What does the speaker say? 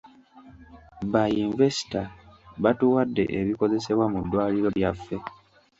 Ba yinvesita batuwadde ebikozesebwa mu ddwaliro lyaffe.